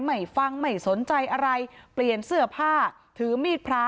ไม่ฟังไม่สนใจอะไรเปลี่ยนเสื้อผ้าถือมีดพระ